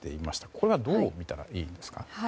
これはどう見たらいいんですか？